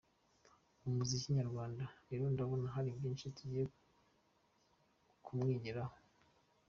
Ku muziki nyarwanda rero ndabona hari byinshi tugiye kumwigiraho.